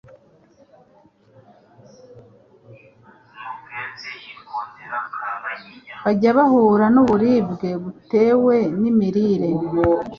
bajya bahura n’uburibwe butewe n’imirire